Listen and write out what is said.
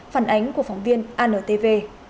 phản ánh của phóng viên antv